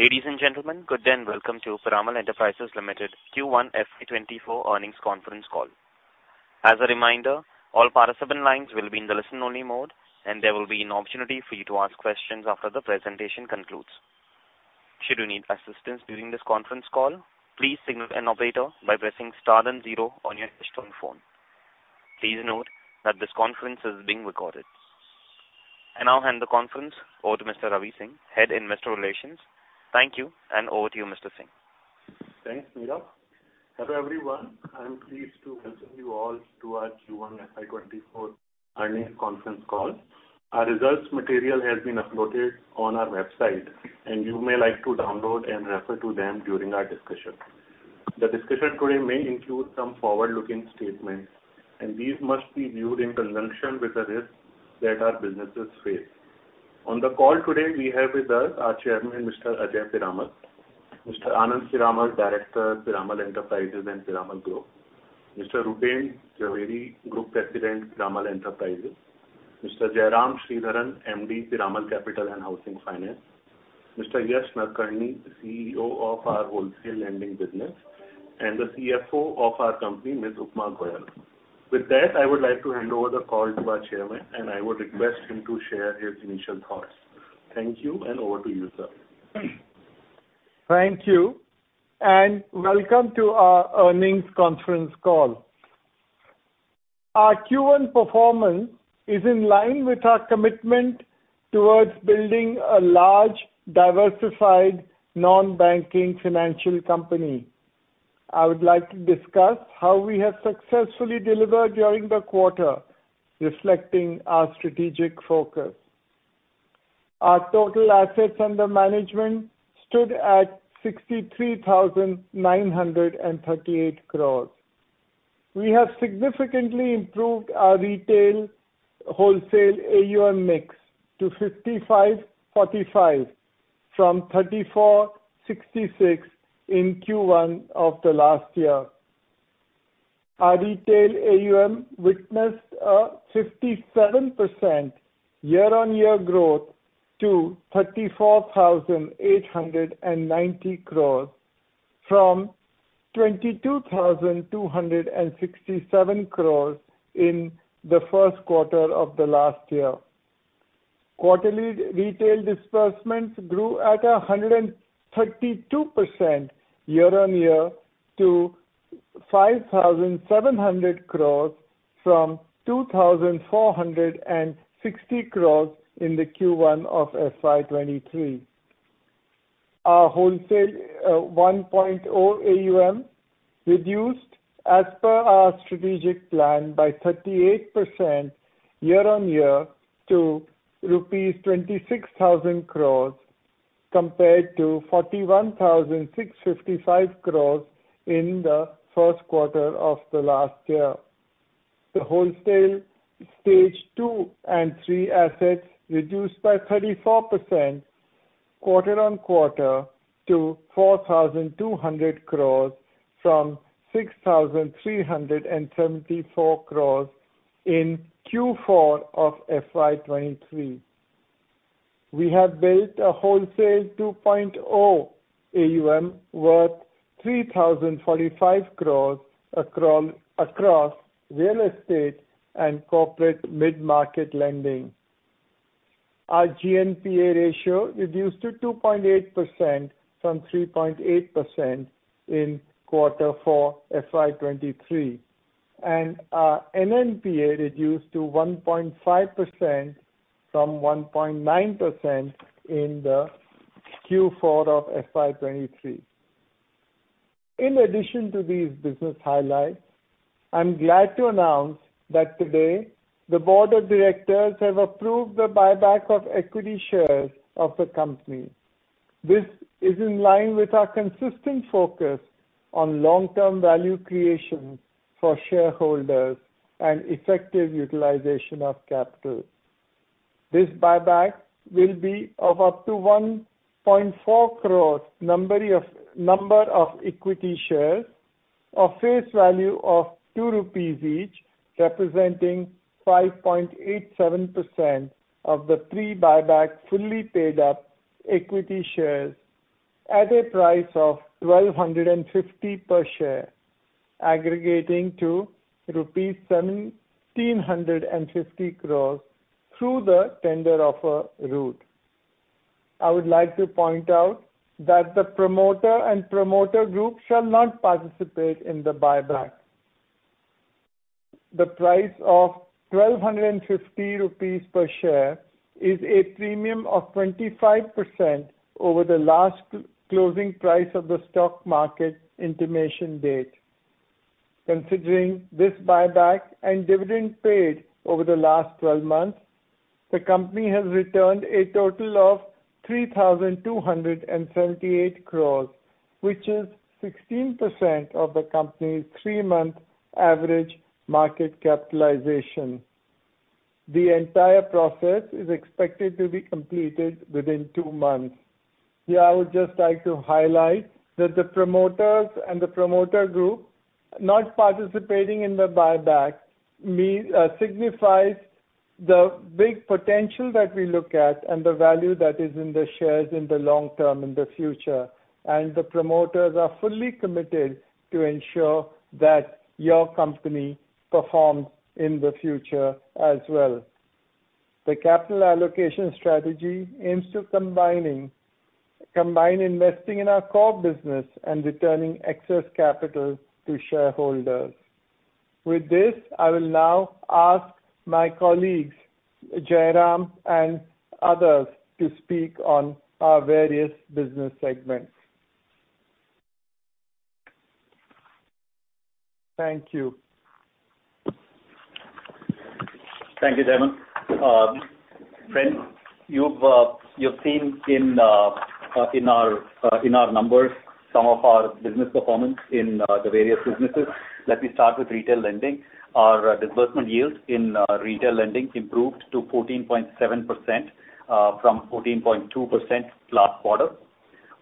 Ladies and gentlemen, good day, and welcome to Piramal Enterprises Limited Q1 FY24 earnings conference call. As a reminder, all participant lines will be in the listen-only mode. There will be an opportunity for you to ask questions after the presentation concludes. Should you need assistance during this conference call, please signal an operator by pressing star and zero on your telephone. Please note that this conference is being recorded. I now hand the conference over to Mr. Ravi Singh, Head of Investor Relations. Thank you. Over to you, Mr. Singh. Thanks, Mira. Hello, everyone. I'm pleased to welcome you all to our Q1 FY24 earnings conference call. Our results material has been uploaded on our website. You may like to download and refer to them during our discussion. The discussion today may include some forward-looking statements. These must be viewed in conjunction with the risks that our businesses face. On the call today, we have with us our Chairman, Mr. Ajay Piramal, Mr. Anand Piramal, Director, Piramal Enterprises and Piramal Group, Mr. Uptein Jhaweri, Group President, Piramal Enterprises, Mr. Jairam Sridharan, MD, Piramal Capital and Housing Finance, Mr. Yash Nadkarni, CEO of our Wholesale Lending Business, and the CFO of our company, Ms. Upma Goel. With that, I would like to hand over the call to our Chairman. I would request him to share his initial thoughts. Thank you. Over to you, sir. Thank you. Welcome to our earnings conference call. Our Q1 performance is in line with our commitment towards building a large, diversified, non-banking financial company. I would like to discuss how we have successfully delivered during the quarter, reflecting our strategic focus. Our total assets under management stood at 63,938 crore. We have significantly improved our retail wholesale AUM mix to 55/45, from 34/66 in Q1 of the last year. Our retail AUM witnessed a 57% year-on-year growth to 34,890 crore, from 22,267 crore in the first quarter of the last year. Quarterly retail disbursements grew at 132% year-on-year to 5,700 crore, from 2,460 crore in the Q1 of FY23. Our wholesale 1.0 AUM reduced as per our strategic plan by 38% year-on-year to rupees 26,000 crore, compared to 41,655 crore in the first quarter of the last year. The wholesale Stage 2 and 3 assets reduced by 34% quarter-on-quarter to 4,200 crore from 6,374 crore in Q4 of FY23. We have built a wholesale 2.0 AUM worth 3,045 crore across real estate and corporate mid-market lending. Our GNPA ratio reduced to 2.8% from 3.8% in Q4 FY23, and our NNPA reduced to 1.5% from 1.9% in the Q4 of FY23. In addition to these business highlights, I'm glad to announce that today, the board of directors have approved the buyback of equity shares of the company. This is in line with our consistent focus on long-term value creation for shareholders and effective utilization of capital. This buyback will be of up to 1.4 crores number of equity shares of face value of 2 rupees each, representing 5.87% of the pre-buyback, fully paid-up equity shares at a price of 1,250 per share, aggregating to rupees 1,750 crores through the tender offer route. I would like to point out that the promoter and promoter group shall not participate in the buyback. The price of 1,250 rupees per share is a premium of 25% over the last closing price of the stock market intimation date. Considering this buyback and dividend paid over the last 12 months, the company has returned a total of 3,278 crore, which is 16% of the company's three-month average market capitalization. The entire process is expected to be completed within two months. Here, I would just like to highlight that the promoters and the promoter group not participating in the buyback means signifies the big potential that we look at and the value that is in the shares in the long term, in the future. The promoters are fully committed to ensure that your company performs in the future as well. The capital allocation strategy aims to combine investing in our core business and returning excess capital to shareholders. With this, I will now ask my colleagues, Jairam and others, to speak on our various business segments. Thank you. Thank you, Chairman. Friends, you've, you've seen in, in our, in our numbers, some of our business performance in, the various businesses. Let me start with retail lending. Our disbursement yields in retail lending improved to 14.7% from 14.2% last quarter.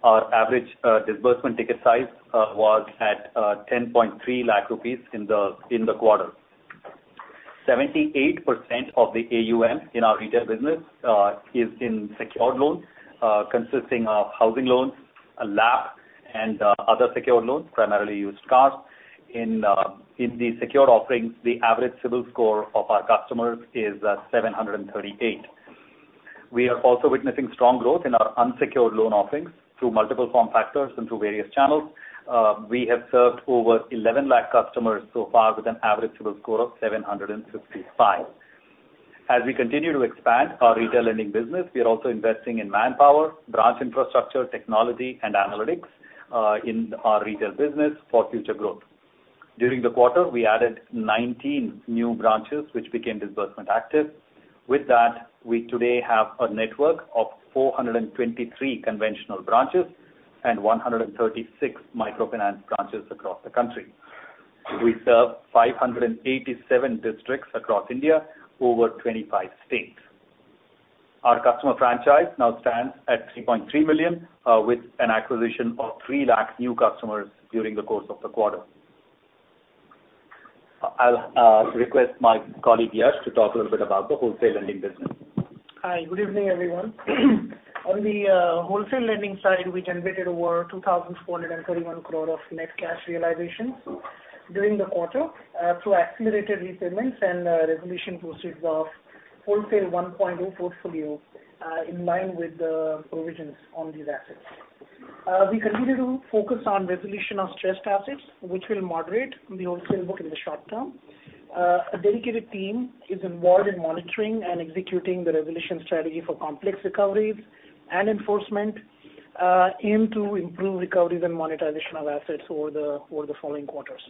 Our average disbursement ticket size was at 10.3 lakh rupees in the, in the quarter. 78% of the AUM in our retail business is in secured loans, consisting of housing loans, a lab, and other secured loans, primarily used cars. In in the secured offerings, the average CIBIL score of our customers is at 738. We are also witnessing strong growth in our unsecured loan offerings through multiple form factors and through various channels. We have served over 11 lakh customers so far, with an average CIBIL score of 765. As we continue to expand our retail lending business, we are also investing in manpower, branch infrastructure, technology, and analytics in our retail business for future growth. During the quarter, we added 19 new branches, which became disbursement active. With that, we today have a network of 423 conventional branches and 136 microfinance branches across the country. We serve 587 districts across India, over 25 states. Our customer franchise now stands at 3.3 million, with an acquisition of 3 lakh new customers during the course of the quarter. I'll request my colleague, Yash, to talk a little bit about the wholesale lending business. Hi, good evening, everyone. On the wholesale lending side, we generated over 2,431 crore of net cash realization during the quarter, through accelerated repayments and resolution proceeds of wholesale 1.2 portfolio, in line with the provisions on these assets. We continue to focus on resolution of stressed assets, which will moderate the wholesale book in the short term. A dedicated team is involved in monitoring and executing the resolution strategy for complex recoveries and enforcement, aim to improve recoveries and monetization of assets for the following quarters.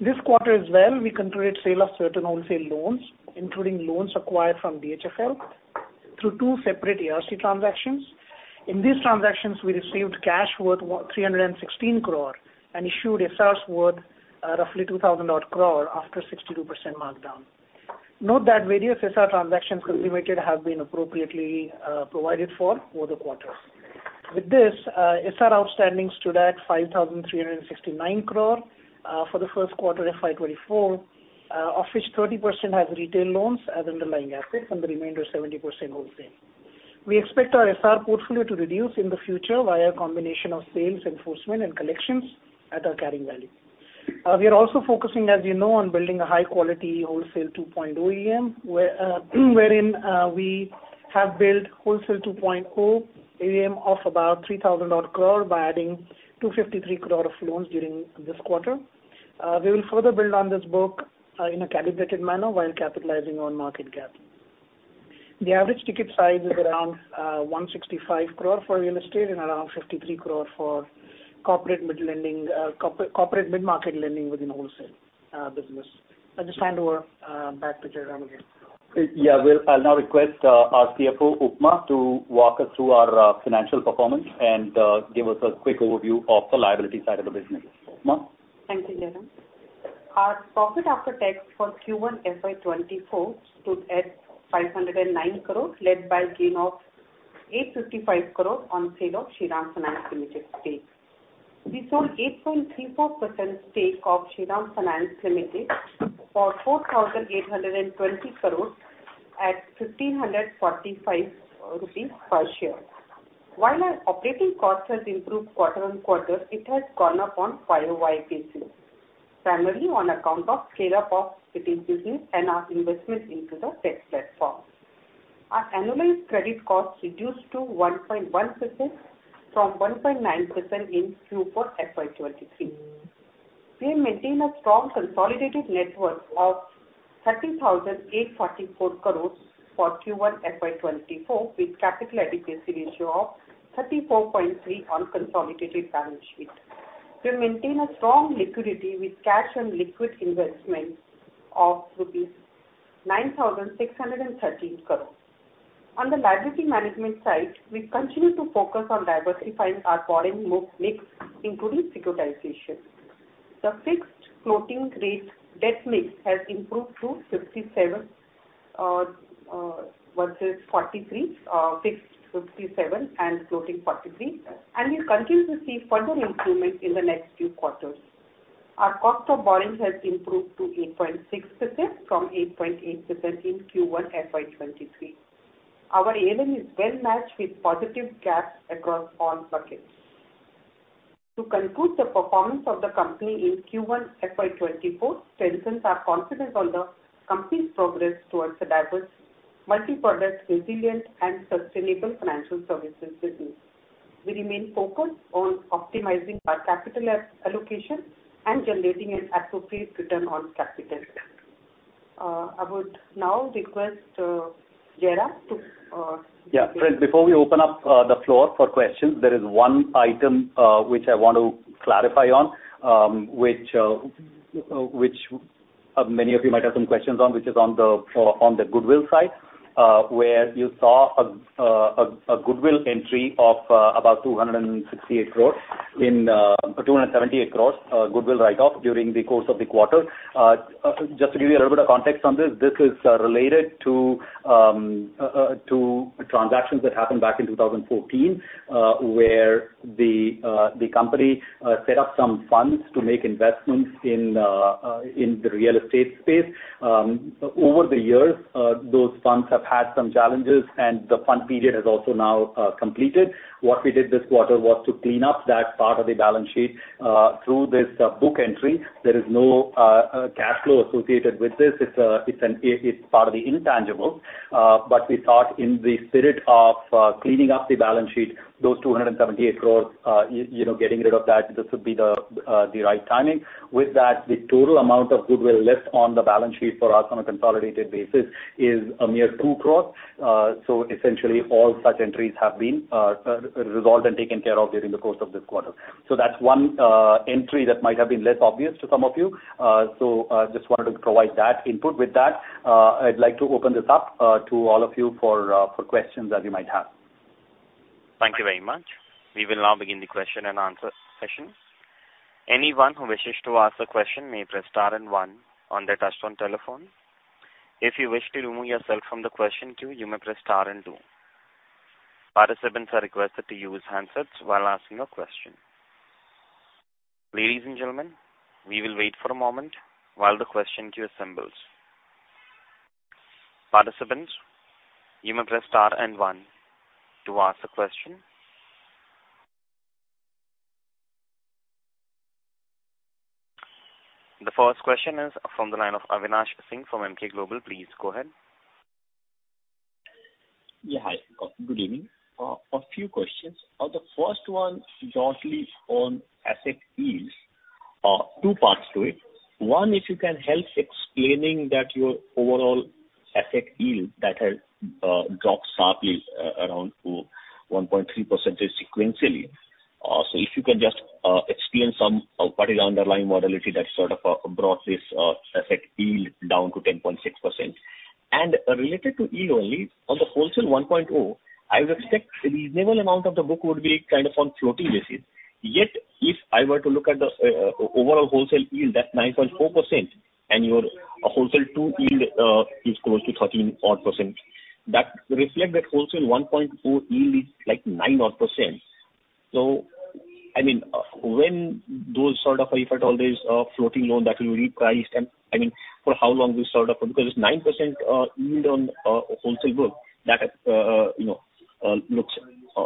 This quarter as well, we concluded sale of certain wholesale loans, including loans acquired from DHFL, through 2 separate ARC transactions. In these transactions, we received cash worth 316 crore, and issued SRs worth roughly 2,000 odd crore after 62% markdown. Note that various SR transactions completed have been appropriately provided for, for the quarters. With this, SR outstanding stood at 5,369 crore for the first quarter of FY24, of which 30% has retail loans as underlying assets and the remainder 70% wholesale. We expect our SR portfolio to reduce in the future via a combination of sales, enforcement, and collections at our carrying value. We are also focusing, as you know, on building a high-quality wholesale 2.0 EM, where, wherein, we have built wholesale 2.0 EM of about 3,000 odd crore by adding 253 crore of loans during this quarter. We will further build on this book in a calibrated manner while capitalizing on market cap. The average ticket size is around 165 crore for real estate and around 53 crore for corporate mid-lending, corporate mid-market lending within the wholesale business. I'll just hand over back to Jairam again. Yeah, well, I'll now request, our CFO, Upma, to walk us through our financial performance and give us a quick overview of the liability side of the business. Upma? Thank you, Jairam. Our profit after tax for Q1 FY24 stood at 509 crore, led by gain of 855 crore on sale of Shriram Finance Limited stake. We sold 8.34% stake of Shriram Finance Limited for 4,820 crore at 1,545 rupees per share. While our operating costs has improved quarter-on-quarter, it has gone up on five FY23, primarily on account of scale-up of cities business and our investments into the tech platform. Our annualized credit costs reduced to 1.1% from 1.9% in Q4 FY23. We maintain a strong consolidated network of 30,844 crore for Q1 FY24, with capital adequacy ratio of 34.3% on consolidated balance sheet. We maintain a strong liquidity with cash and liquid investment of rupees 9,613 crores. On the liability management side, we continue to focus on diversifying our borrowing mix, including securitization. The fixed floating rate debt mix has improved to 57 versus 43, fixed 57 and floating 43, and we continue to see further improvement in the next few quarters. Our cost of borrowing has improved to 8.6% from 8.8% in Q1 FY23. Our AM is well matched with positive gaps across all buckets. To conclude, the performance of the company in Q1 FY24 strengthens our confidence on the company's progress towards a diverse, multi-product, resilient and sustainable financial services business. We remain focused on optimizing our capital allocation and generating an appropriate return on capital. I would now request Jairam to. Yeah, before we open up the floor for questions, there is one item which I want to clarify on, which, which many of you might have some questions on, which is on the, on the goodwill side, where you saw a goodwill entry of about 268 crore in 278 crore goodwill write-off during the course of the quarter. Just to give you a little bit of context on this, this is related to transactions that happened back in 2014, where the company set up some funds to make investments in the real estate space. Over the years, those funds have had some challenges, and the fund period has also now completed. What we did this quarter was to clean up that part of the balance sheet through this book entry. There is no cash flow associated with this. It's an, it's part of the intangible. We thought in the spirit of cleaning up the balance sheet, those 278 crore, you know, getting rid of that, this would be the right timing. With that, the total amount of goodwill left on the balance sheet for us on a consolidated basis is a mere 2 crore. Essentially, all such entries have been resolved and taken care of during the course of this quarter. That's one entry that might have been less obvious to some of you. Just wanted to provide that input. With that, I'd like to open this up to all of you for for questions that you might have. Thank you very much. We will now begin the question and answer session. Anyone who wishes to ask a question may press star and one on their touchtone telephone. If you wish to remove yourself from the question queue, you may press star and two. Participants are requested to use handsets while asking a question. Ladies and gentlemen, we will wait for a moment while the question queue assembles. Participants, you may press star and one to ask a question. The first question is from the line of Avinash Singh from Emkay Global. Please go ahead. Yeah, hi. Good evening. A few questions. The first one largely on asset yields. Two parts to it. One, if you can help explaining that your overall asset yield that has dropped sharply, around to 1.3% sequentially. If you can just explain some of what is the underlying modality that sort of brought this asset yield down to 10.6%. Related to yield only, on the Wholesale 1.0, I would expect a reasonable amount of the book would be kind of on floating basis. If I were to look at the overall wholesale yield, that's 9.4%, and your Wholesale two yield is close to 13 odd %. That reflect that Wholesale 1.4 yield is like 9 odd %. I mean, when those sort of affect all these, floating loan that will be repriced, and I mean, for how long this sort of because it's 9% yield on wholesale book that, you know, looks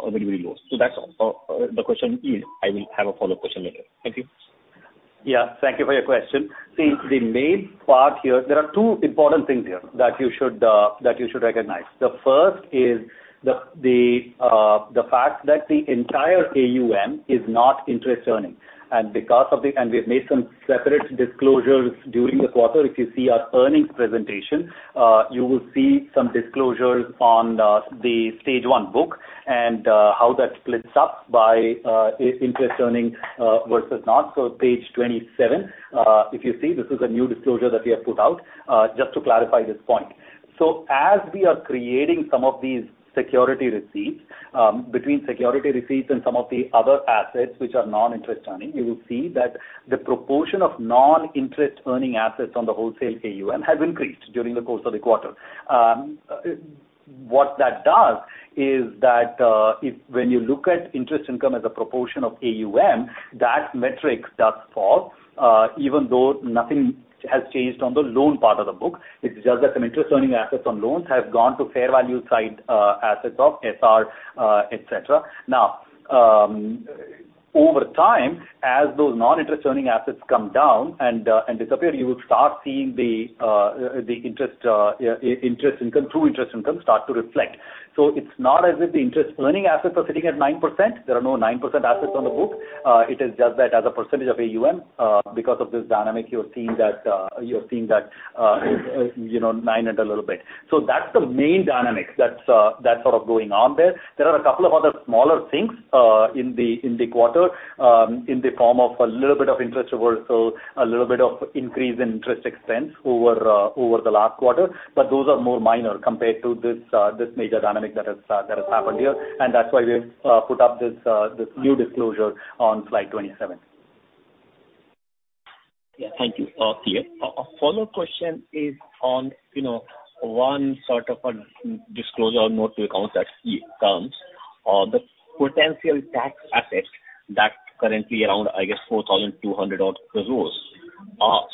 very, very low. That's all, the question is. I will have a follow-up question later. Thank you. Yeah, thank you for your question. See, the main part here, there are two important things here that you should, that you should recognize. The first is the, the, the fact that the entire AUM is not interest earning, and we've made some separate disclosures during the quarter. If you see our earnings presentation, you will see some disclosures on the, the stage one book and, how that splits up by, is interest earning, versus not. Page 27, if you see, this is a new disclosure that we have put out, just to clarify this point. As we are creating some of these security receipts, between security receipts and some of the other assets which are non-interest earning, you will see that the proportion of non-interest earning assets on the wholesale AUM has increased during the course of the quarter. What that does is that, if when you look at interest income as a proportion of AUM, that metric does fall, even though nothing has changed on the loan part of the book. It's just that some interest earning assets on loans have gone to fair value side, assets of SR, et cetera. Now, over time, as those non-interest earning assets come down and and disappear, you will start seeing the the interest, interest income, true interest income start to reflect. It's not as if the interest earning assets are sitting at 9%. There are no 9% assets on the book. It is just that as a percentage of AUM, because of this dynamic, you're seeing that, you're seeing that, you know, 9 and a little bit. That's the main dynamic that's sort of going on there. There are a couple of other smaller things in the, in the quarter, in the form of a little bit of interest reversal, a little bit of increase in interest expense over the last quarter, but those are more minor compared to this major dynamic that has happened here, and that's why we've put up this new disclosure on slide 27. Yeah, thank you. clear. A follow-up question is on, you know, one sort of a disclosure or note to accounts that comes, the potential tax assets that currently around, I guess, 4,200 crore.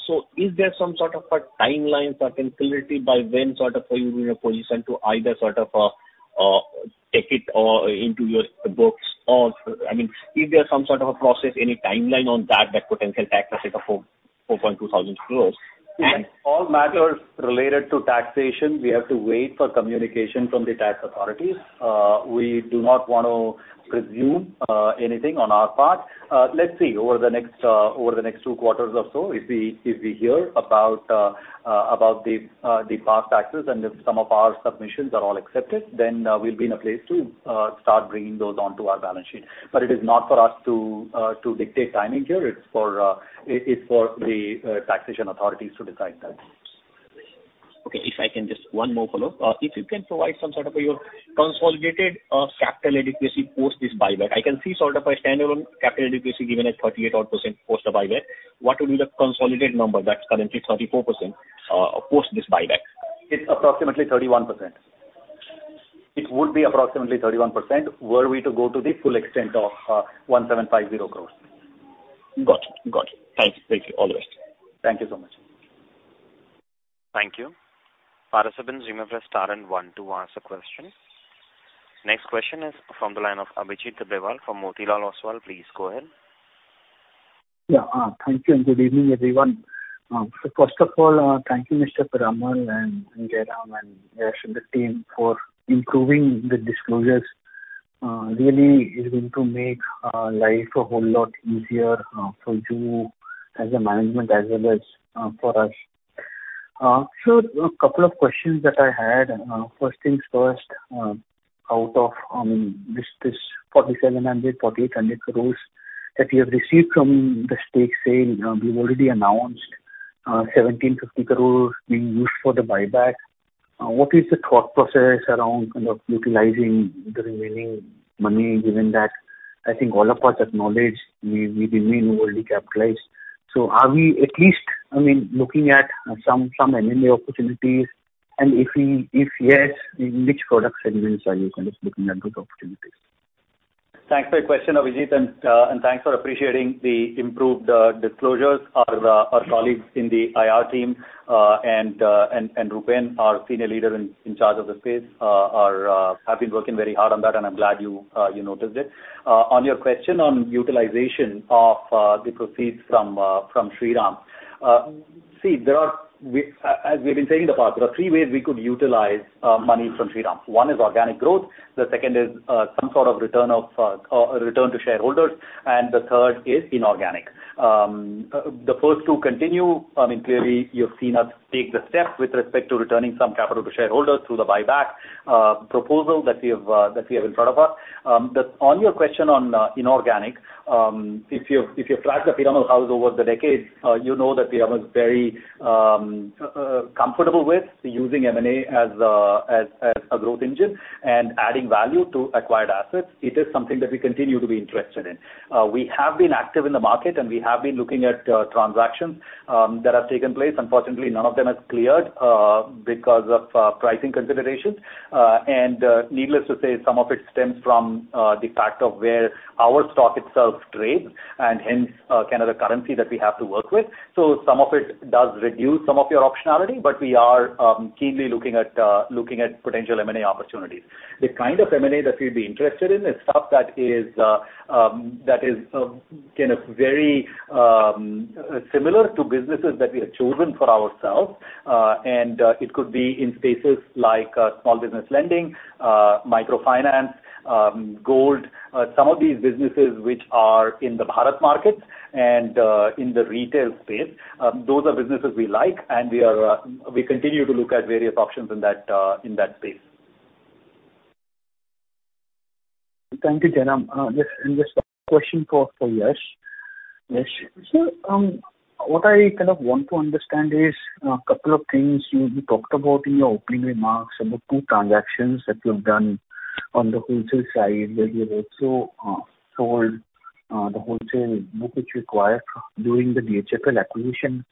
So is there some sort of a timeline or clarity by when sort of you'll be in a position to either sort of, take it into your books or, I mean, is there some sort of a process, any timeline on that, that potential tax asset of 4,200 crore? All matters related to taxation, we have to wait for communication from the tax authorities. We do not want to presume anything on our part. Let's see, over the next over the next two quarters or so, if we, if we hear about the past taxes and if some of our submissions are all accepted, then we'll be in a place to start bringing those onto our balance sheet. It is not for us to dictate timing here. It's for it's for the taxation authorities to decide that. Okay. If I can just one more follow-up. If you can provide some sort of a consolidated capital adequacy post this buyback. I can see sort of a standalone capital adequacy given as 38% odd post the buyback. What will be the consolidated number? That's currently 34% post this buyback. It's approximately 31%. It would be approximately 31%, were we to go to the full extent of 1,750 crore. Got you. Got you. Thanks. Thank you. All the best. Thank you so much. Thank you. Participants, you may press star and one to ask a question. Next question is from the line of Abhijit Tibrewal from Motilal Oswal. Please go ahead. Yeah. Thank you, and good evening, everyone. First of all, thank you, Mr. Piramal and Jairam and the rest of the team for improving the disclosures. Really is going to make life a whole lot easier for you as a management as well as for us. A couple of questions that I had. First things first, out of this, this 4,700-4,800 crores that you have received from the stake sale, you've already announced 1,750 crores being used for the buyback. What is the thought process around kind of utilizing the remaining money, given that I think all of us acknowledge we, we remain overly capitalized. Are we at least, I mean, looking at some, some M&A opportunities? If we, if yes, in which product segments are you kind of looking at those opportunities? Thanks for the question, Abhijit. Thanks for appreciating the improved disclosures. Our colleagues in the IR team, and Rupen, our senior leader in charge of the space, have been working very hard on that, and I'm glad you noticed it. On your question on utilization of the proceeds from Shriram. See, there are... We, as we've been saying in the past, there are three ways we could utilize money from Shriram. One is organic growth, the second is some sort of return of return to shareholders, and the third is inorganic. The first two continue. I mean, clearly, you've seen us take the steps with respect to returning some capital to shareholders through the buyback, proposal that we have, that we have in front of us. On your question on inorganic, if you, if you've tracked the Piramal house over the decades, you know that Piramal is very comfortable with using M&A as, as, as a growth engine and adding value to acquired assets. It is something that we continue to be interested in. We have been active in the market, and we have been looking at transactions that have taken place. Unfortunately, none of them have cleared because of pricing considerations. Needless to say, some of it stems from the fact of where our stock itself trades and hence, kind of the currency that we have to work with. Some of it does reduce some of your optionality, but we are keenly looking at looking at potential M&A opportunities. The kind of M&A that we'd be interested in is stuff that is that is kind of very similar to businesses that we have chosen for ourselves. It could be in spaces like small business lending, microfinance, gold. Some of these businesses which are in the Bharat market and in the retail space, those are businesses we like, and we are we continue to look at various options in that in that space. Thank you, Jairam. Just, just a question for, for Yash. Yash, what I kind of want to understand is, a couple of things you, you talked about in your opening remarks about two transactions that you've done on the wholesale side, where you've also sold the wholesale book which you acquired during the DHFL acquisition.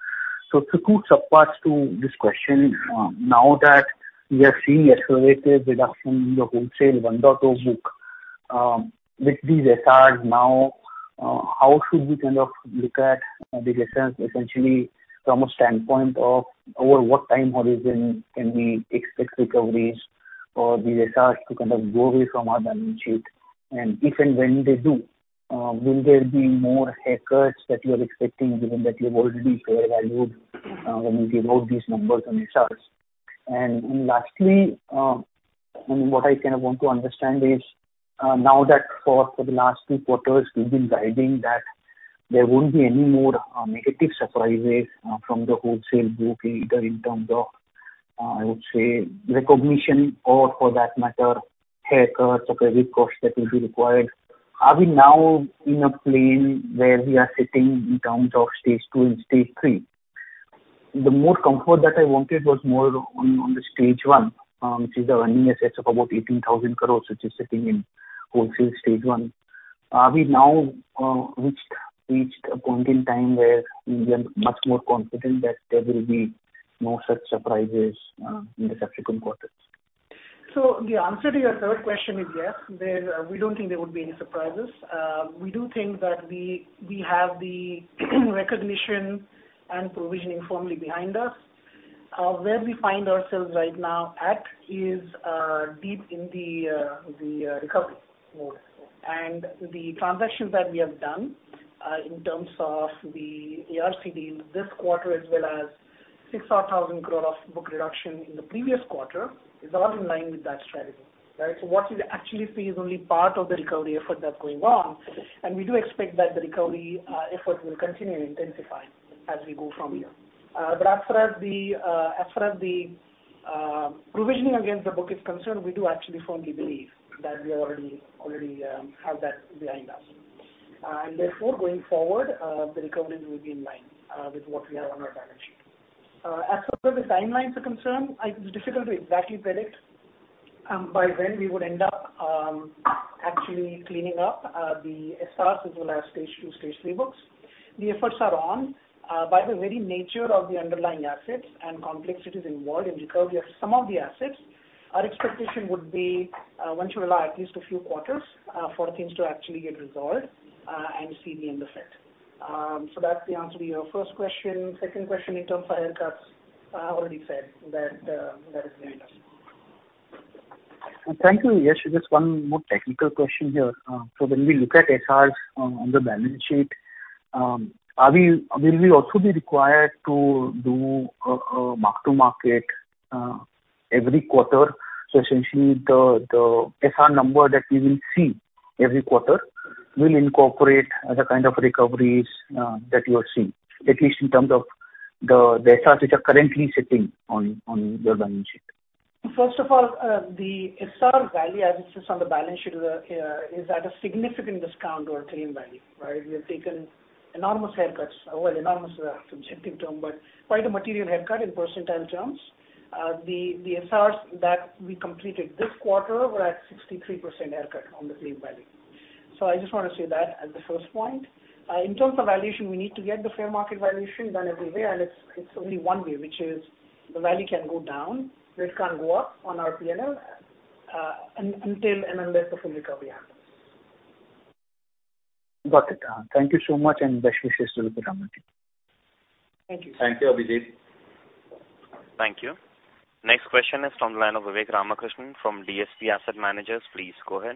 Two sub-parts to this question. Now that we are seeing accelerated reduction in the wholesale 1.2 book, with these SRs now, how should we kind of look at the returns essentially from a standpoint of over what time horizon can we expect recoveries for these SRs to kind of go away from our balance sheet? If and when they do, will there be more haircuts that you are expecting, given that you've already fair valued, when you gave out these numbers on SRs? Lastly, what I kind of want to understand is, now that for the last two quarters, you've been guiding that there won't be any more negative surprises from the wholesale book, either in terms of, I would say, recognition or for that matter, haircuts or credit costs that will be required. Are we now in a plane where we are sitting in terms of stage two and stage three? The more comfort that I wanted was more on the stage one, which is the earning assets of about 18,000 crore, which is sitting in wholesale stage one. Are we now, reached, reached a point in time where we are much more confident that there will be no such surprises, in the subsequent quarters? The answer to your third question is yes. There, we don't think there would be any surprises. We do think that we, we have the recognition and provisioning firmly behind us. Where we find ourselves right now at is, deep in the, the, recovery mode. The transactions that we have done, in terms of the ARC deal this quarter, as well as 6,000 crore of book reduction in the previous quarter, is all in line with that strategy, right? What you actually see is only part of the recovery effort that's going on, and we do expect that the recovery, effort will continue to intensify as we go from here. As far as the, as far as the, provisioning against the book is concerned, we do actually firmly believe that we already, already, have that behind us. Therefore, going forward, the recoveries will be in line with what we have on our balance sheet. As far as the timelines are concerned, it's difficult to exactly predict by when we would end up actually cleaning up the SRs as well as stage two, stage three books. Efforts are on. By the very nature of the underlying assets and complexities involved in recovering some of the assets, our expectation would be, once you rely at least a few quarters, for things to actually get resolved, and see the end effect. That's the answer to your first question. Second question in terms of haircuts, I already said that, that is behind us. Thank you. Yes, just one more technical question here. When we look at SRs on the balance sheet, will we also be required to do a mark-to-market every quarter? Essentially, the SR number that we will see every quarter will incorporate the kind of recoveries that you are seeing, at least in terms of the SRs which are currently sitting on your balance sheet. First of all, the SR value, as it is on the balance sheet, is at a significant discount or clean value, right? We have taken enormous haircuts. Well, enormous is a subjective term, but quite a material haircut in percentile terms. The SRs that we completed this quarter were at 63% haircut on the claim value. I just want to say that as the first point. In terms of valuation, we need to get the fair market valuation done every year, and it's, it's only one way, which is the value can go down, but it can't go up on our P&L, until and unless a full recovery happens. Got it. Thank you so much. Best wishes to the committee. Thank you. Thank you, Abhijit. Thank you. Next question is from the line of Vivek Ramakrishnan from DSP Asset Managers. Please go ahead.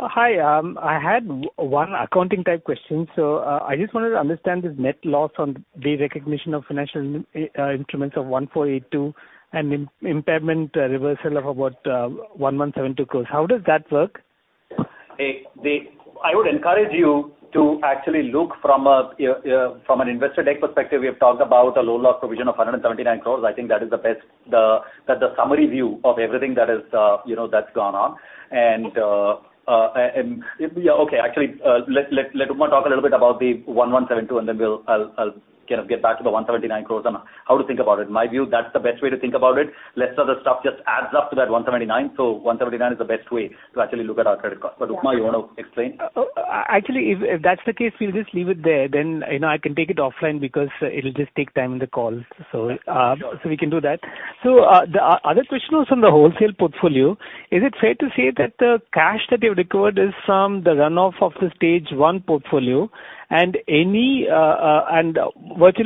Hi, I had one accounting type question. I just wanted to understand this net loss on the recognition of financial instruments of 1,482 crores and impairment reversal of about 1,172 crores. How does that work? I would encourage you to actually look from an investor deck perspective. We have talked about a low loss provision of 179 crore. I think that is the best, the summary view of everything that is, you know, that's gone on. Yeah, okay, actually, let Uma talk a little bit about the 1,172, and then we'll I'll kind of get back to the 179 crore and how to think about it. In my view, that's the best way to think about it. Less other stuff just adds up to that 179. 179 is the best way to actually look at our credit card. Uma, you want to explain? Actually, if, if that's the case, we'll just leave it there, then, you know, I can take it offline because it'll just take time in the call. Sure. We can do that. The other question was on the wholesale portfolio. Is it fair to say that the cash that you've recovered is from the run-off of the stage one portfolio? Virtually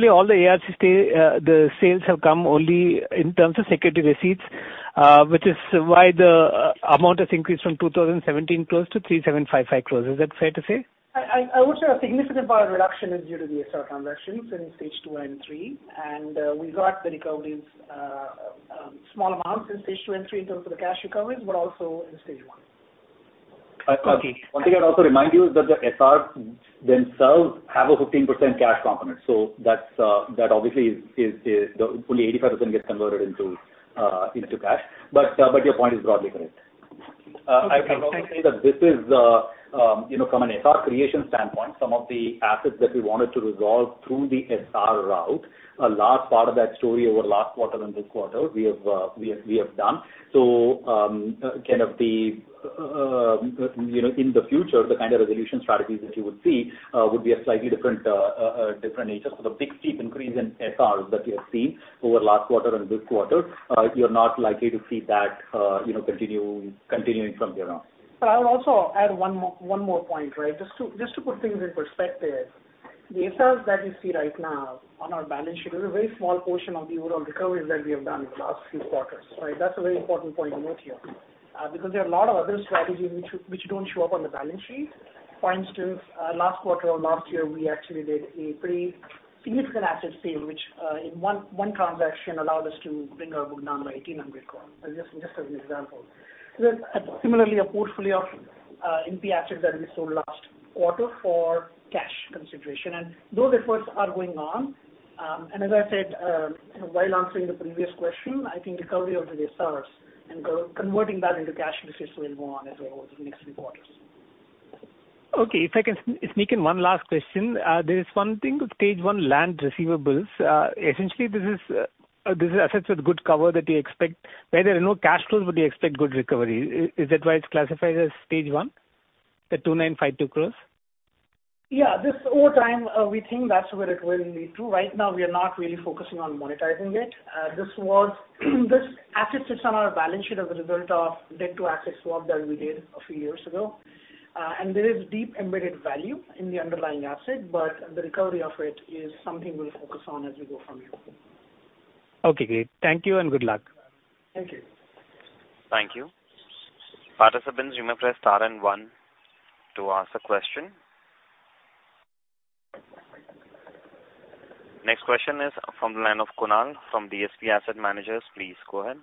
all the ARC sales have come only in terms of security receipts, which is why the amount has increased from 2,017 crore to 3,755 crore. Is that fair to say? I would say a significant part of reduction is due to the SR transactions in stage 2 and 3, and we got the recoveries, small amounts in stage 2 and 3 in terms of the cash recoveries, but also in stage 1. Okay. One thing I'd also remind you is that the SR themselves have a 15% cash component, so that's, that obviously is, is, is, only 85% gets converted into, into cash. But your point is broadly correct. Okay. I can also say that this is, you know, from an SR creation standpoint, some of the assets that we wanted to resolve through the SR route, a large part of that story over last quarter and this quarter, we have, we have, we have done. Kind of the, you know, in the future, the kind of resolution strategies that you would see, would be a slightly different, different nature. The big, steep increase in SR that you have seen over last quarter and this quarter, you're not likely to see that, you know, continue, continuing from here on. I would also add one more, one more point, right. Just to, just to put things in perspective, the SRs that you see right now on our balance sheet is a very small portion of the overall recoveries that we have done in the last few quarters, right. That's a very important point to note here. Because there are a lot of other strategies which, which don't show up on the balance sheet. For instance, last quarter or last year, we actually did a pretty significant asset sale, which, in one, one transaction, allowed us to bring our book down by 1,800 crore, just, just as an example. There's similarly a portfolio of NP assets that we sold last quarter for cash consideration, and those efforts are going on. As I said, while answering the previous question, I think recovery of the SRs and co- converting that into cash will certainly go on as well over the next few quarters. Okay, if I can sneak in one last question. There is one thing with stage one land receivables. Essentially this is, this is assets with good cover that you expect, where there are no cash flows, but you expect good recovery. Is that why it's classified as stage one, the 2,952 crore? Yeah, this over time, we think that's where it will lead to. Right now, we are not really focusing on monetizing it. This was, this asset is on our balance sheet as a result of debt to asset swap that we did a few years ago. There is deep embedded value in the underlying asset, but the recovery of it is something we'll focus on as we go from here. Okay, great. Thank you, and good luck. Thank you. Thank you. Participants, you may press star and 1 to ask a question. Next question is from the line of Kunal, from DSP Asset Managers. Please go ahead.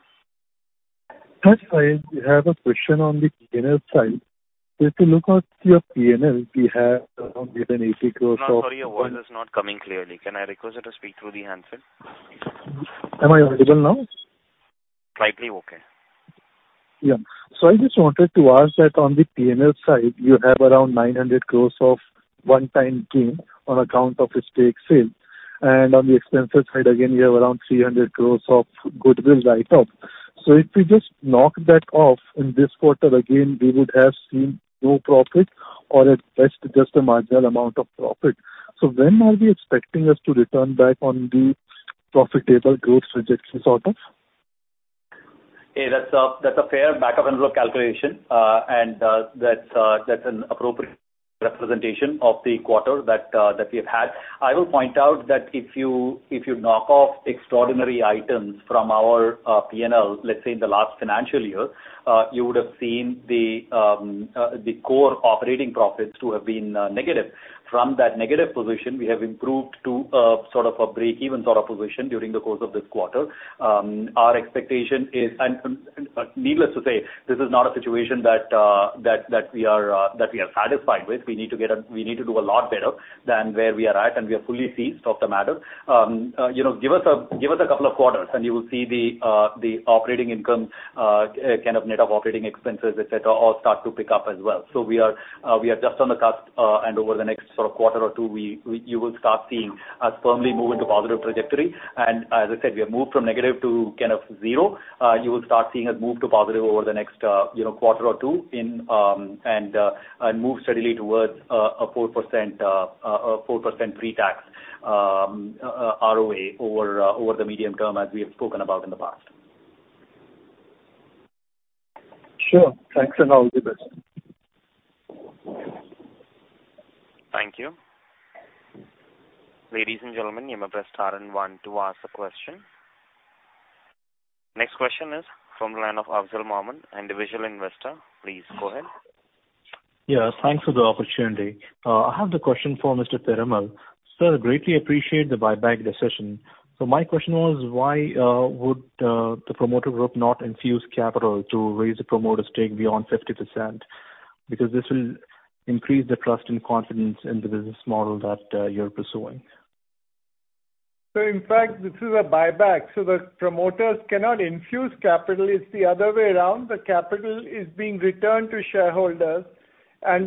Hi, I have a question on the PNL side. If you look at your PNL, we have around eight and AC close- Sorry, your voice is not coming clearly. Can I request you to speak through the handset? Am I audible now? Slightly okay. I just wanted to ask that on the PNL side, you have around 900 crore of one-time gain on account of a stake sale, and on the expenses side, again, you have around 300 crore of goodwill write-off. If we just knock that off in this quarter again, we would have seen no profit or at best, just a marginal amount of profit. When are we expecting us to return back on the profitable growth trajectory sort of? Hey, that's a fair back-up envelope calculation, and that's an appropriate representation of the quarter that we have had. I will point out that if you knock off extraordinary items from our PNL, let's say in the last financial year, you would have seen the core operating profits to have been negative. From that negative position, we have improved to a sort of a break-even sort of position during the course of this quarter. Our expectation is, and needless to say, this is not a situation that that we are that we are satisfied with. We need to get We need to do a lot better than where we are at, and we are fully seized of the matter. You know, give us a couple of quarters, you will see the operating income, kind of net of operating expenses, et cetera, all start to pick up as well. We are just on the cusp, over the next sort of quarter or 2, you will start seeing us firmly move into positive trajectory. As I said, we have moved from negative to kind of zero. You will start seeing us move to positive over the next, you know, quarter or 2, and move steadily towards a 4%, a 4% pre-tax ROA over the medium term, as we have spoken about in the past. Sure. Thanks, and all the best. Thank you. Ladies and gentlemen, you may press star 1 to ask a question. Next question is from the line of Afzal Mahmoud, individual investor. Please go ahead. Yes, thanks for the opportunity. I have the question for Mr. Piramal. Sir, greatly appreciate the buyback decision. My question was, why would the promoter group not infuse capital to raise the promoter stake beyond 50%? Because this will increase the trust and confidence in the business model that you're pursuing. In fact, this is a buyback, so the promoters cannot infuse capital. It's the other way around. The capital is being returned to shareholders.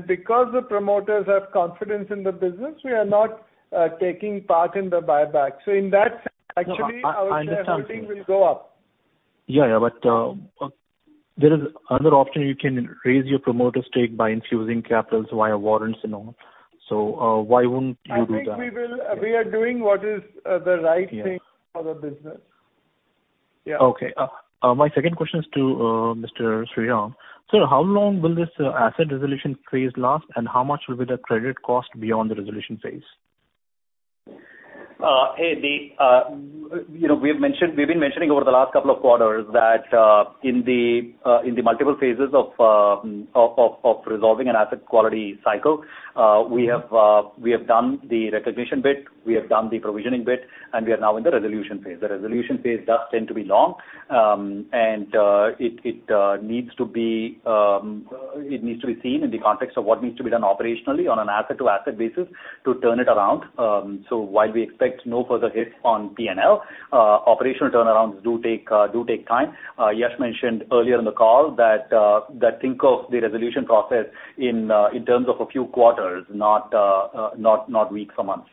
Because the promoters have confidence in the business, we are not taking part in the buyback. In that sense, actually, our shareholding will go up. Yeah, yeah, there is another option, you can raise your promoter stake by infusing capitals via warrants and all. Why wouldn't you do that? We are doing what is the right thing for the business. Yeah. Okay. my second question is to Mr. Sriram. Sir, how long will this asset resolution phase last, and how much will be the credit cost beyond the resolution phase? Hey, the, you know, we have mentioned-- we've been mentioning over the last couple of quarters that in the in the multiple phases of resolving an asset quality cycle, we have we have done the recognition bit, we have done the provisioning bit, and we are now in the resolution phase. The resolution phase does tend to be long, and it, it needs to be seen in the context of what needs to be done operationally on an asset-to-asset basis to turn it around. So while we expect no further hits on P&L, operational turnarounds do take do take time. Yash mentioned earlier in the call that, that think of the resolution process in terms of a few quarters, not weeks or months.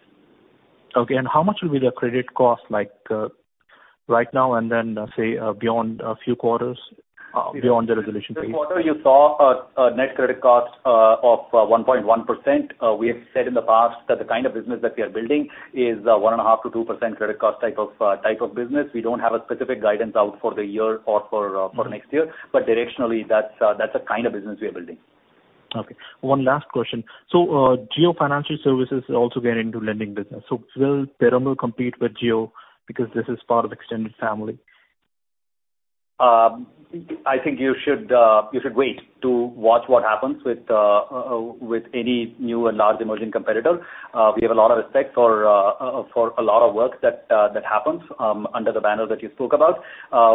Okay, how much will be the credit cost, like, right now, and then, say, beyond a few quarters, beyond the resolution phase? This quarter, you saw a, a net credit cost of 1.1%. We have said in the past that the kind of business that we are building is 1.5%-2% credit cost type of type of business. We don't have a specific guidance out for the year or for next year, but directionally, that's that's the kind of business we are building. Okay. One last question. Jio Financial Services also get into lending business, so will Piramal compete with Jio? Because this is part of extended family. I think you should wait to watch what happens with any new and large emerging competitor. We have a lot of respect for a lot of work that happens under the banner that you spoke about.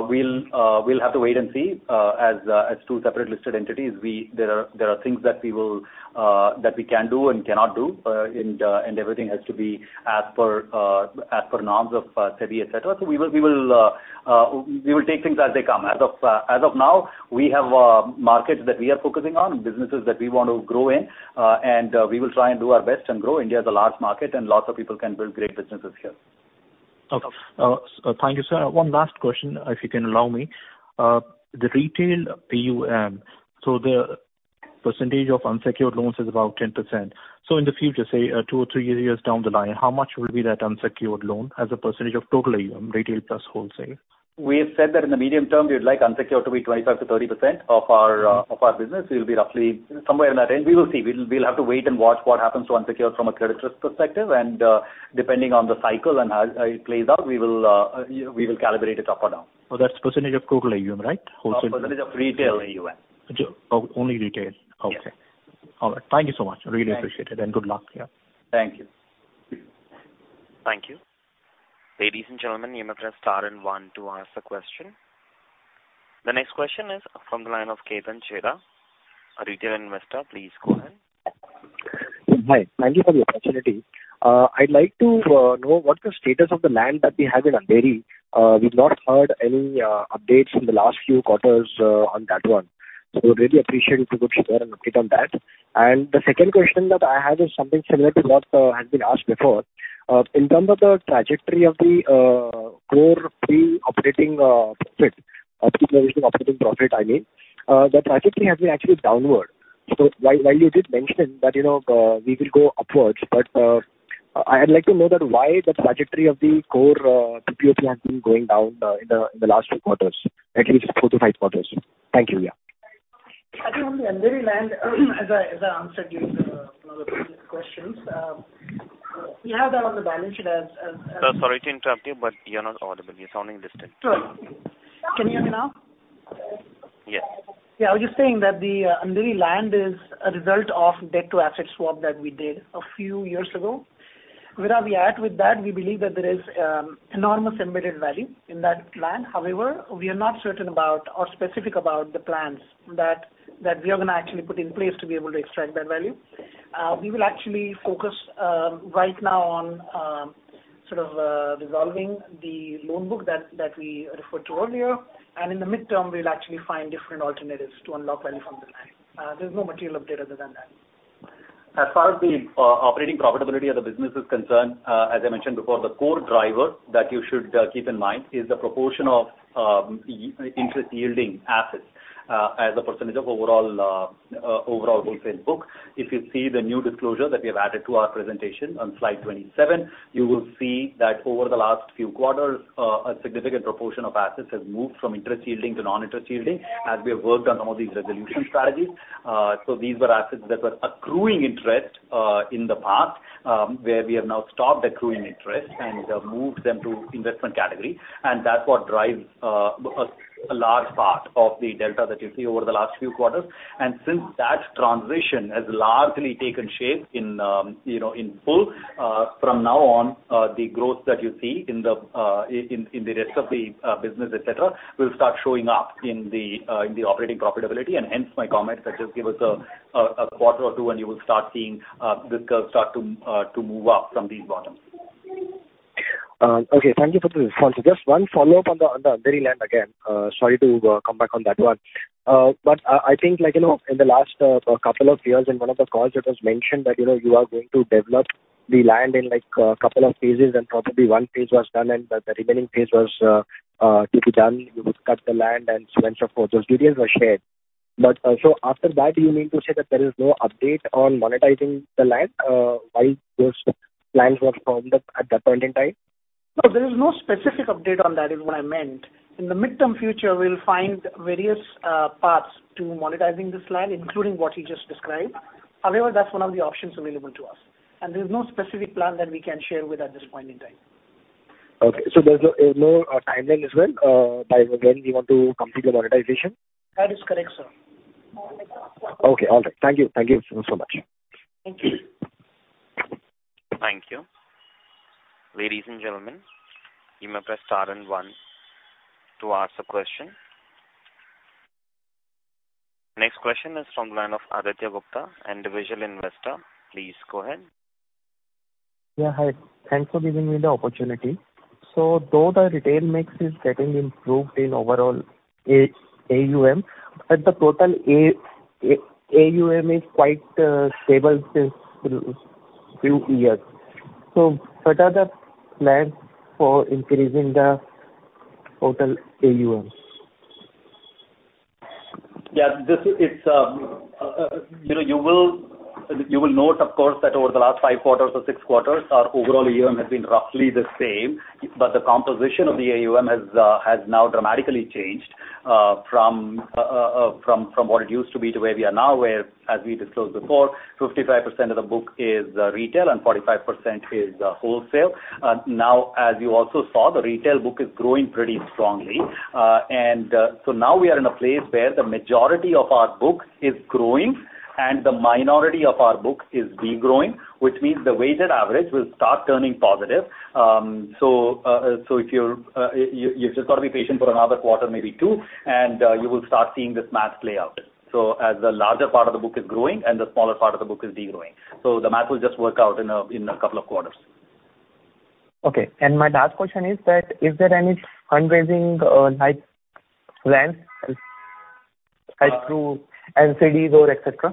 We'll have to wait and see, as as two separate listed entities, we... There are things that we will that we can do and cannot do, and everything has to be as per as per norms of SEBI, et cetera. So we will, we will, we will take things as they come. As of, as of now, we have markets that we are focusing on and businesses that we want to grow in, and we will try and do our best and grow. India is a large market and lots of people can build great businesses here.... Okay. Thank you, sir. One last question, if you can allow me. The retail AUM, so the percentage of unsecured loans is about 10%. In the future, say, two or three years down the line, how much will be that unsecured loan as a percentage of total AUM, retail plus wholesale? We have said that in the medium term, we would like unsecured to be 25%-30% of our of our business. It will be roughly somewhere in that range. We will see. We'll, we'll have to wait and watch what happens to unsecured from a credit risk perspective, and depending on the cycle and how, how it plays out, we will calibrate it up or down. Oh, that's % of total AUM, right? Wholesale- Percentage of retail AUM. Oh, only retail. Yes. Okay. All right. Thank you so much. Really appreciate it. Thank you. Good luck. Yeah. Thank you. Thank you. Ladies and gentlemen, you may press star and one to ask a question. The next question is from the line of Ketan Cheta, a retail investor. Please go ahead. Hi. Thank you for the opportunity. I'd like to know what the status of the land that we have in Andheri. We've not heard any updates in the last few quarters on that one. Would really appreciate if you could share an update on that. The second question that I had is something similar to what has been asked before. In terms of the trajectory of the core pre-operating profit, operating profit, I mean, the trajectory has been actually downward. While, while you did mention that, you know, we will go upwards, but I'd like to know that why the trajectory of the core PPO has been going down in the last few quarters, at least 4 to 5 quarters. Thank you. I think on the Andheri land, as I, as I answered you, one of the previous questions, we have that on the balance sheet. Sir, sorry to interrupt you, but you're not audible. You're sounding distant. Sure. Can you hear me now? Yes. I was just saying that the Andheri land is a result of debt-to-asset swap that we did a few years ago. Where are we at with that? We believe that there is enormous embedded value in that land. However, we are not certain about or specific about the plans that, that we are going to actually put in place to be able to extract that value. We will actually focus right now on sort of resolving the loan book that, that we referred to earlier, and in the midterm, we'll actually find different alternatives to unlock value from the land. There's no material update other than that. As far as the operating profitability of the business is concerned, as I mentioned before, the core driver that you should keep in mind is the proportion of interest yielding assets as a percentage of overall wholesale book. If you see the new disclosure that we have added to our presentation on slide 27, you will see that over the last few quarters, a significant proportion of assets has moved from interest yielding to non-interest yielding as we have worked on some of these resolution strategies. So these were assets that were accruing interest in the past, where we have now stopped accruing interest and have moved them to investment category. That's what drives a large part of the delta that you see over the last few quarters. Since that transition has largely taken shape in, you know, in full, from now on, the growth that you see in the, in, in the rest of the business, et cetera, will start start showing up in the operating profitability, and hence my comment that just give us a quarter or two, and you will start seeing this curve start to move up from the bottom. Okay, thank you for the response. Just one follow-up on the Andheri land again. Sorry to come back on that one. I think, like, you know, in the last couple of years, in one of the calls, it was mentioned that, you know, you are going to develop the land in, like, a couple of phases, and probably one phase was done and the remaining phase was to be done. You would cut the land and so and so forth. Those details were shared. After that, do you mean to say that there is no update on monetizing the land, while those plans were formed at that point in time? No, there is no specific update on that, is what I meant. In the midterm future, we'll find various paths to monetizing this land, including what you just described. However, that's one of the options available to us, and there's no specific plan that we can share with at this point in time. Okay. There's no, no timeline as well, by when you want to complete the monetization? That is correct, sir. Okay. All right. Thank you. Thank you so much. Thank you. Thank you. Ladies and gentlemen, you may press star and one to ask a question. Next question is from the line of Aditya Gupta, individual investor. Please go ahead. Yeah, hi. Thanks for giving me the opportunity. Though the retail mix is getting improved in overall AUM, but the total AUM is quite stable since few years. What are the plans for increasing the total AUM? Yeah, this is, it's, you know, you will, you will note, of course, that over the last 5 quarters or 6 quarters, our overall AUM has been roughly the same, but the composition of the AUM has, has now dramatically changed, from, from what it used to be to where we are now, where, as we disclosed before, 55% of the book is retail and 45% is wholesale. As you also saw, the retail book is growing pretty strongly. Now we are in a place where the majority of our book is growing and the minority of our book is degrowing, which means the weighted average will start turning positive. So if you're, you've just got to be patient for another quarter, maybe two, and you will start seeing this math play out. As the larger part of the book is growing and the smaller part of the book is degrowing. The math will just work out in a couple of quarters. Okay. My last question is that, is there any fundraising or like, plans?... as through NCDs or et cetera?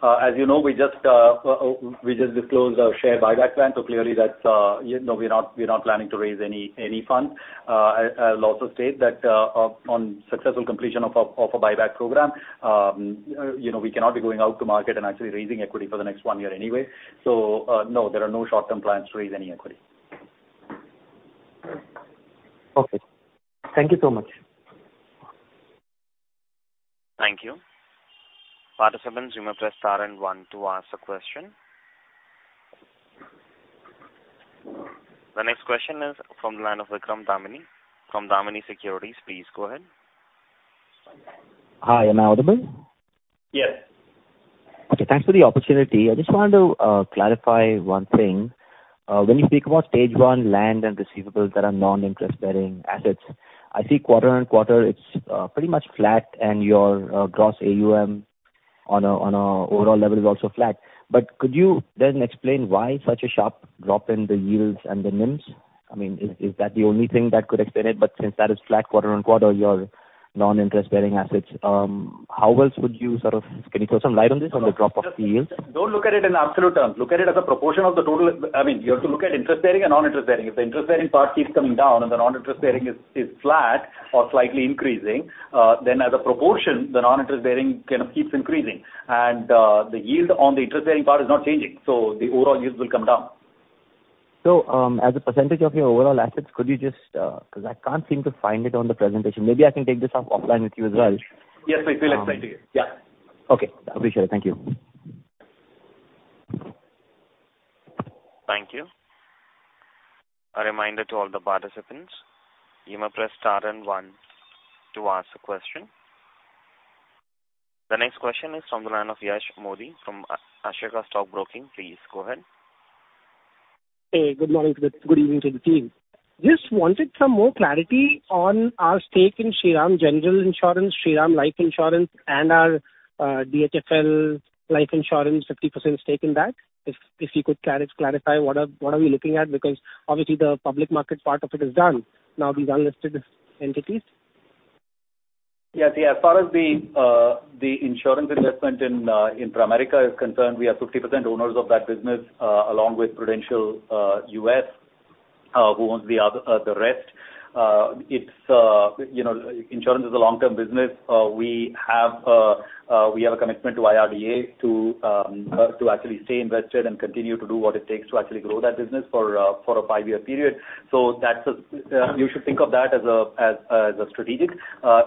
As you know, we just, we just disclosed our share buyback plan, so clearly that's, you know, we're not, we're not planning to raise any, any funds. I, I'll also state that, on successful completion of a, of a buyback program, you know, we cannot be going out to market and actually raising equity for the next 1 year anyway. No, there are no short-term plans to raise any equity. Okay. Thank you so much. Thank you. Participants, you may press star and one to ask a question. The next question is from the line of Vikram Damani from Damani Securities. Please go ahead. Hi, am I audible? Yes. Okay, thanks for the opportunity. I just wanted to clarify one thing. When you speak about stage one land and receivables that are non-interest bearing assets, I see quarter-on-quarter, it's pretty much flat and your gross AUM on a, on a overall level is also flat. Could you then explain why such a sharp drop in the yields and the NIMs? I mean, is, is that the only thing that could explain it? Since that is flat quarter-on-quarter, your non-interest bearing assets, how else would you sort of... Can you throw some light on this, on the drop of the yield? Don't look at it in absolute terms. Look at it as a proportion of the total. I mean, you have to look at interest bearing and non-interest bearing. If the interest bearing part keeps coming down and the non-interest bearing is, is flat or slightly increasing, then as a proportion, the non-interest bearing kind of keeps increasing. The yield on the interest bearing part is not changing, so the overall yields will come down. as a percentage of your overall assets, could you just, because I can't seem to find it on the presentation. Maybe I can take this off offline with you as well. Yes, I feel excited. Yeah. Okay, I appreciate it. Thank you. Thank you. A reminder to all the participants, you may press star and one to ask a question. The next question is from the line of Yash Modi from Ashika Stock Broking. Please go ahead. Hey, good morning, good evening to the team. Just wanted some more clarity on our stake in Shriram General Insurance, Shriram Life Insurance, and our DHFL Life Insurance, 50% stake in that. If, if you could clarify, what are, what are we looking at? Obviously, the public market part of it is done, now these unlisted entities. Yeah, as far as the insurance investment in Pramerica is concerned, we are 50% owners of that business along with Prudential U.S. who owns the other, the rest. It's, you know, insurance is a long-term business. We have a commitment to IRDA to actually stay invested and continue to do what it takes to actually grow that business for a 5-year period. That's a, you should think of that as a, as, as a strategic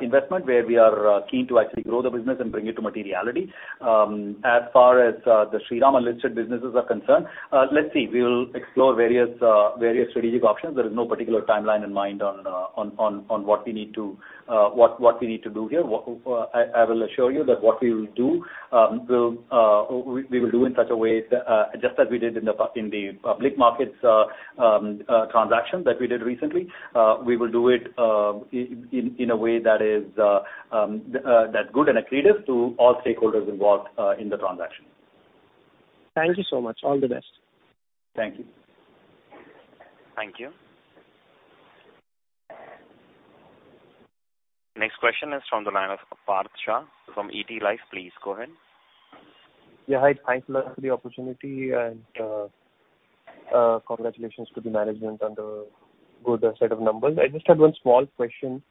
investment, where we are keen to actually grow the business and bring it to materiality. As far as the Shriram unlisted businesses are concerned, let's see. We will explore various strategic options. There is no particular timeline in mind on, on, on, on what we need to, what, what we need to do here. I, I will assure you that what we will do, we, we will do in such a way, just as we did in the, in the public markets, transaction that we did recently. We will do it, in, in, in a way that is, that good and accretive to all stakeholders involved, in the transaction. Thank you so much. All the best. Thank you. Thank you. Next question is from the line of Parth Shah from ET Life. Please go ahead. Hi. Thanks a lot for the opportunity and congratulations to the management on the good set of numbers. I just had one small question.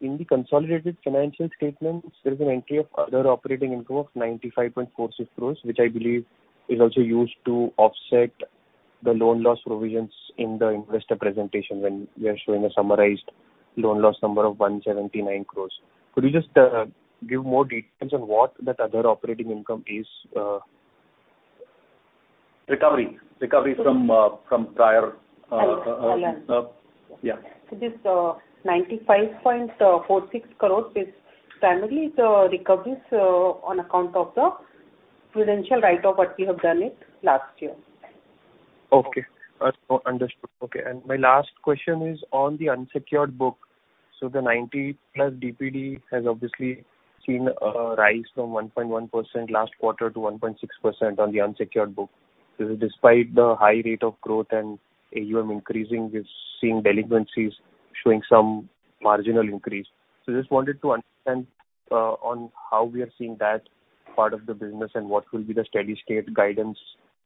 In the consolidated financial statements, there is an entry of other operating income of 95.46 crores, which I believe is also used to offset the loan loss provisions in the investor presentation, when we are showing a summarized loan loss number of 179 crores. Could you just give more details on what that other operating income is? Recovery. Recovery from, from prior, I'll answer. Yeah. This 95.46 crores is primarily the recoveries, on account of the Prudential write-off what we have done it last year. Okay. Understood. My last question is on the unsecured book. The 90+ DPD has obviously seen a rise from 1.1% last quarter to 1.6% on the unsecured book. Despite the high rate of growth and AUM increasing, we've seen delinquencies showing some marginal increase. Just wanted to understand on how we are seeing that part of the business and what will be the steady state guidance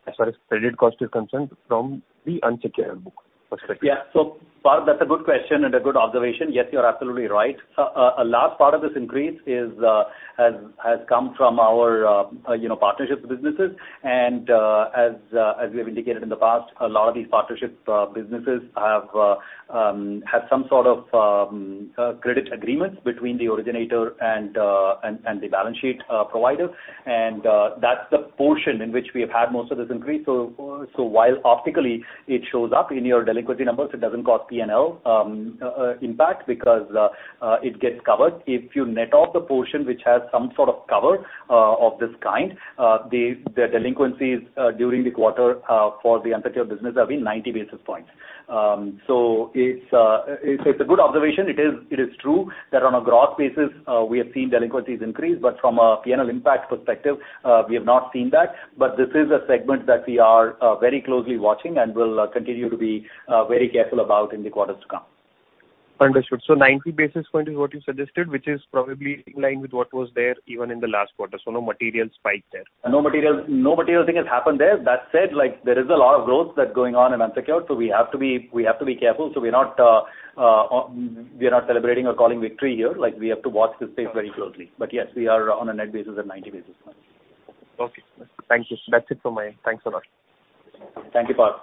as far as credit cost is concerned from the unsecured book perspective. Yeah. Parth, that's a good question and a good observation. Yes, you're absolutely right. A large part of this increase is has, has come from our, you know, partnerships businesses. As as we have indicated in the past, a lot of these partnership businesses have have some sort of credit agreements between the originator and and the balance sheet provider. That's the portion in which we have had most of this increase. So while optically it shows up in your delinquency numbers, it doesn't cause P&L impact because it gets covered. If you net off the portion which has some sort of cover of this kind, the the delinquencies during the quarter for the unsecured business have been 90 basis points. It's, it's, it's a good observation. It is, it is true that on a gross basis, we have seen delinquencies increase, but from a P&L impact perspective, we have not seen that. This is a segment that we are very closely watching and will continue to be very careful about in the quarters to come. ...Understood. 90 basis point is what you suggested, which is probably in line with what was there even in the last quarter, so no material spike there? No material, no material thing has happened there. That said, like, there is a lot of growth that's going on in unsecured, we have to be, we have to be careful. We're not, we are not celebrating or calling victory here, like, we have to watch this space very closely. Yes, we are on a net basis at 90 basis points. Okay. Thank you. That's it from my end. Thanks a lot. Thank you Parth,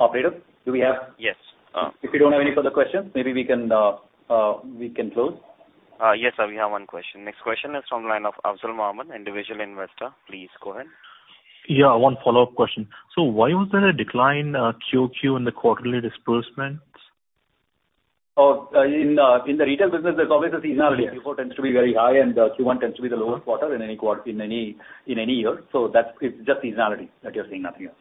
Operator, do we have- Yes. If you don't have any further questions, maybe we can, we can close. Yes, sir, we have one question. Next question is from the line of Abdul Mohammed, individual investor. Please go ahead. Yeah, one follow-up question. Why was there a decline, QOQ in the quarterly disbursements? In the retail business, there's always a seasonality. Q4 tends to be very high, and Q1 tends to be the lowest quarter in any, in any year. That's, it's just seasonality that you're seeing, nothing else.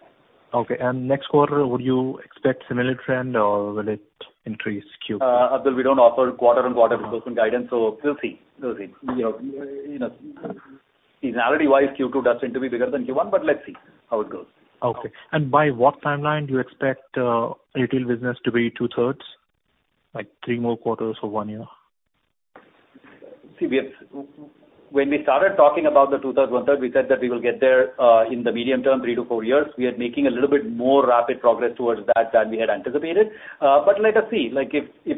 Okay, next quarter, would you expect similar trend or will it increase QOQ? Abdul, we don't offer quarter-on-quarter disbursement guidance, so we'll see. We'll see. You know, you know, seasonality wise, Q2 does tend to be bigger than Q1, but let's see how it goes. Okay. By what timeline do you expect retail business to be 2/3? Like, 3 more quarters or 1 year? See, we have, when we started talking about the two-thirds, one-third, we said that we will get there, in the medium term, three to four years. We are making a little bit more rapid progress towards that than we had anticipated. Let us see, like, if, if,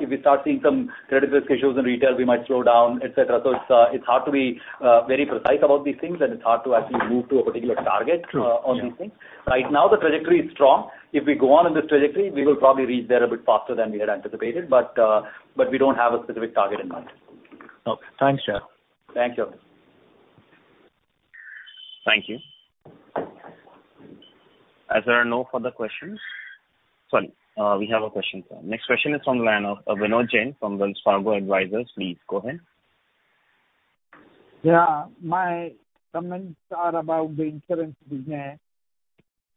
if we start seeing some credit risk issues in retail, we might slow down, et cetera. It's hard to be, very precise about these things, and it's hard to actually move to a particular target- True. on these things. Right now, the trajectory is strong. If we go on in this trajectory, we will probably reach there a bit faster than we had anticipated, but, but we don't have a specific target in mind. Okay. Thanks, Jai. Thank you. Thank you. As there are no further questions... Sorry, we have a question, sir. Next question is from the line of Vinod Jain from Wells Fargo Advisors. Please go ahead. Yeah, my comments are about the insurance business.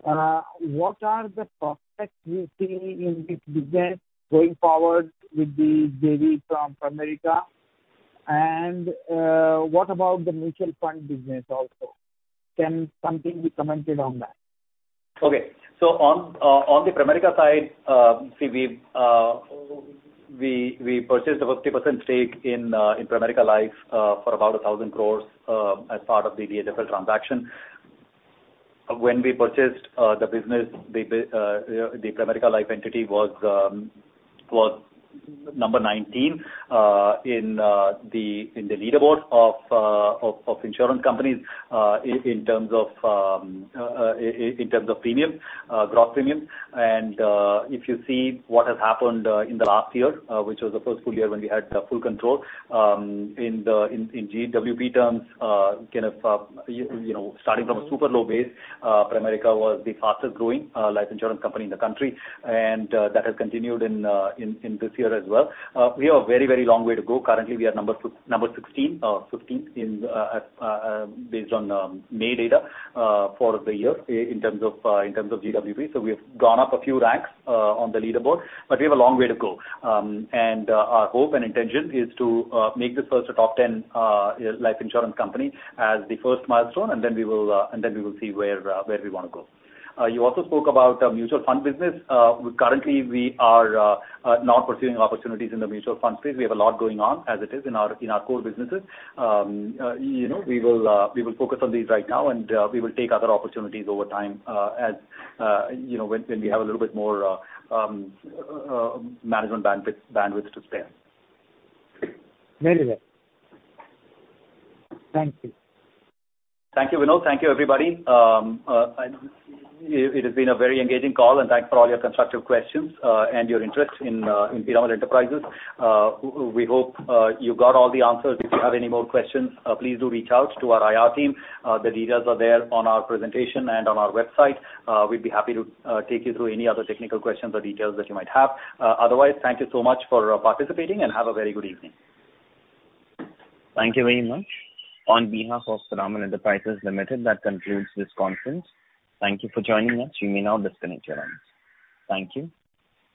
What are the prospects you see in this business going forward with the JV from Primerica? What about the mutual fund business also? Can something be commented on that? Okay. On, on the Primerica side, see, we've, we, we purchased a 50% stake in, in Pramerica Life, for about 1,000 crore, as part of the DHFL transaction. When we purchased, the business, the Pramerica Life entity was, was number 19, in, the, in the leaderboard of, of, of insurance companies, in, in terms of, in, in terms of premium, gross premium. If you see what has happened in the last year, which was the first full year when we had full control, in the, in, in GWP terms, kind of, you know, starting from a super low base, Primerica was the fastest growing life insurance company in the country, and that has continued in, in, in this year as well. We have a very, very long way to go. Currently, we are number 16, 15 in, based on May data, for the year in terms of, in terms of GWP. We have gone up a few ranks on the leaderboard, but we have a long way to go. Our hope and intention is to make this first a top 10 life insurance company as the first milestone, and then we will, and then we will see where we want to go. You also spoke about our mutual fund business. Currently we are not pursuing opportunities in the mutual fund space. We have a lot going on as it is in our, in our core businesses. You know, we will focus on these right now, and we will take other opportunities over time, as, you know, when we have a little bit more management bandwidth to spare. Very well. Thank you. Thank you, Vinod. Thank you, everybody. It has been a very engaging call, and thanks for all your constructive questions, and your interest in Piramal Enterprises. We hope you got all the answers. If you have any more questions, please do reach out to our IR team. The details are there on our presentation and on our website. We'd be happy to take you through any other technical questions or details that you might have. Otherwise, thank you so much for participating, and have a very good evening. Thank you very much. On behalf of Piramal Enterprises Limited, that concludes this conference. Thank you for joining us. You may now disconnect your lines. Thank you.